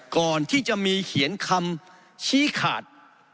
ก่อนที่จะมีเขียนคำชี้ขาด